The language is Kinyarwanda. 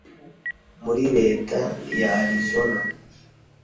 muri Leta ya Arizona